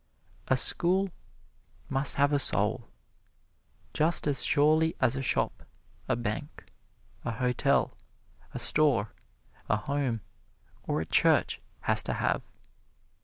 A school must have a soul, just as surely as a shop, a bank, a hotel, a store, a home, or a church has to have.